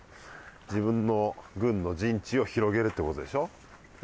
自分の軍の陣地を広げるってことでしょ？